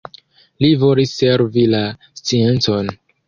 Li volis servi la sciencon.